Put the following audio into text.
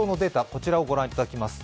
こちらをご覧いただきます。